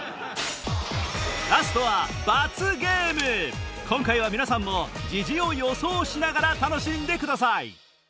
ラストは今回は皆さんもジジを予想しながら楽しんでください